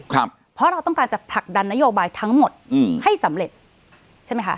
เพราะเราต้องการจะผลักดันนโยบายทั้งหมดให้สำเร็จ